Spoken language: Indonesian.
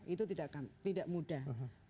itu tidak mudah